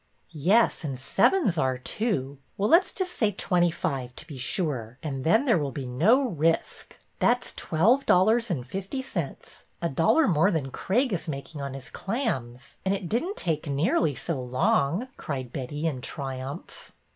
''Yes, and sevens are, too. Well, let's say twenty five, to be sure, and then there will be no risk." " That 's twelve dollars and fifty cents, a dol lar more than Craig is making on his clams, and it didn't take nearly so long," cried Betty, in triumph.